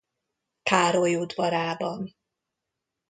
Károly udvarában.